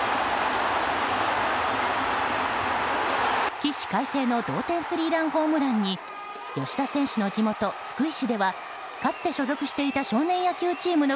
起死回生の同点スリーランホームランに吉田選手の地元・福井市ではかつて所属していた少年野球チームの